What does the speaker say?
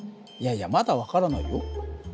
いやいやまだ分からないよ。